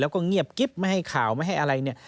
แล้วก็เงียบกิ๊บไม่ให้ข่าวไม่ให้อะไรเนี่ย